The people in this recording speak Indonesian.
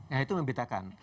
nah itu membedakan